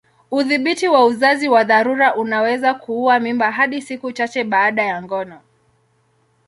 Udhibiti wa uzazi wa dharura unaweza kuua mimba hadi siku chache baada ya ngono.